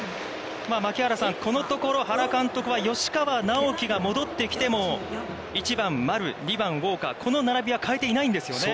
槙原さん、このところ原監督は吉川尚輝が戻ってきても、１番丸、２番ウォーカー、この並びは変えていないんですよね。